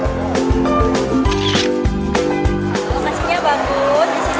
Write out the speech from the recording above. lokasinya bagus disini ada tempat nongkok nongkok air yang terwarna warni